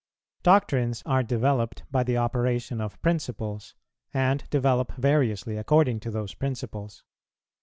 Doctrines are developed by the operation of principles, and develope variously according to those principles.